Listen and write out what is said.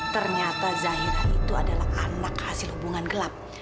ternyata zairah itu adalah anak hasil hubungan gelap